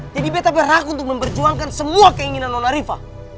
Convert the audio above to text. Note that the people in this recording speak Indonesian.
jadi beta berhak untuk memperjuangkan semua keinginan nona rifa